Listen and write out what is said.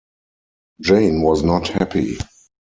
Jane was not happy.